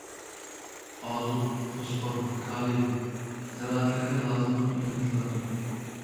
ئازوت، فوسفور، كالىي زىرائەتلەرگە لازىملىق ئېلېمېنتلاردۇر.